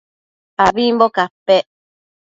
abimbo capec